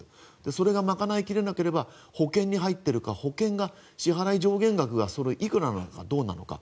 それが賄いきれなければ保険に入っているか保険の支払い上限額がいくらなのかどうなのか